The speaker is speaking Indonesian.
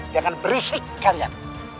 jangan berisik kalian